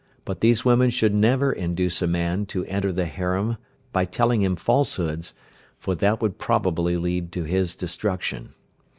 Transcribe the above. But these women should never induce a man to enter the harem by telling him falsehoods, for that would probably lead to his destruction.